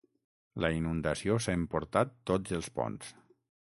La inundació s'ha emportat tots els ponts.